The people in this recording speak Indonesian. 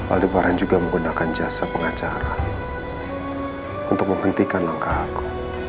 aldebaran juga menggunakan jasa pengacara untuk menghentikan langkah aku